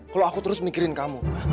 kalau aku terus mikirin kamu